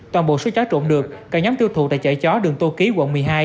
toàn bộ số chó trộn được cả nhóm tiêu thụ tại chợ chó đường tô ký quận một mươi hai